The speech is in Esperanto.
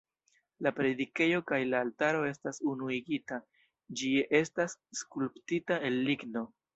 La predikejo kaj la altaro estas unuigita, ĝi estas skulptita el ligno.